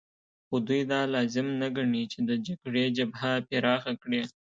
خو دوی دا لازم نه ګڼي چې د جګړې جبهه پراخه کړي